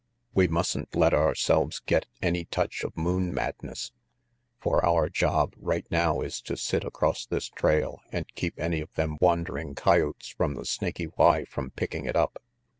We mustn't let ourselves get any touch of moon madness, for our job right now is to sit across this trail and keep any of them wandering coyotes from the Snaky Y from picking it up."